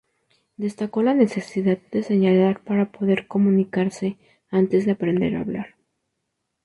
Destacó la necesidad de señalar para poder comunicarse antes de aprender a hablar.